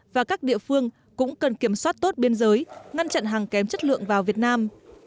và các địa phương cũng cần kiểm soát tốt biên giới ngăn chặn hàng kém chất lượng vào việt nam